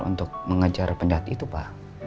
untuk mengejar pendati itu pak